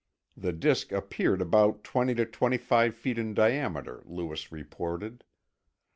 The disk appeared about twenty to twenty five feet in diameter, Lewis reported.